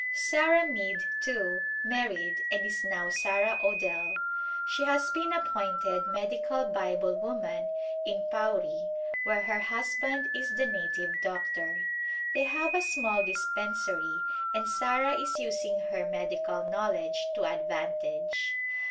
Sarah Mead, too, married and is now Sarah Odell ; she has been appointed medical Bible woman in Pauri where her husband is the native doctor. They have a small dispensary and Sarah is using her medical knowledge to advantage.